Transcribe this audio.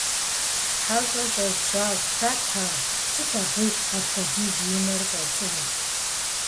ХьэщӀэр щӀэупщӀащ: - Хэт ар? Сыт абы апхуэдизу и нэр щӀэцӀур?